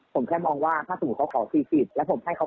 ผมแค่มองว่าถ้าสมมุติเขาขอ๔๐แล้วผมให้เขา